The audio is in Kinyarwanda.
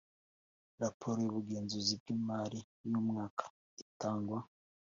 Raporo y ubugenzuzi bw imari y umwaka itangwa